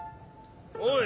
おい！